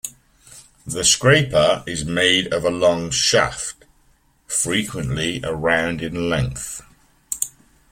The scraper is made of a long shaft, frequently around in length.